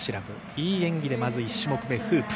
いい演技で１種目目のフープ。